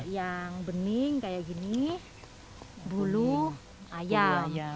yang bening kayak gini bulu ayam